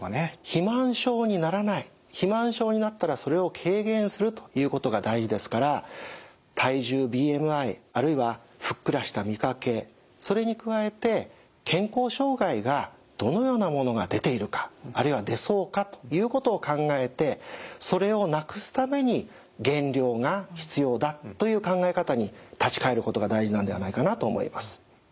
肥満症にならない肥満症になったらそれを軽減するということが大事ですから体重ＢＭＩあるいはふっくらした見かけそれに加えて健康障害がどのようなものが出ているかあるいは出そうかということを考えてそれを無くすために減量が必要だという考え方に立ち返ることが大事なんではないかなと思います。